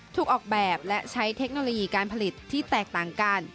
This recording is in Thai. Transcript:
ถูกออกแบบและใช้เทคโนโลยีการผลิตที่แตกต่างกัน